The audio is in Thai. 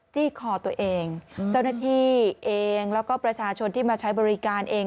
คอตัวเองเจ้าหน้าที่เองแล้วก็ประชาชนที่มาใช้บริการเอง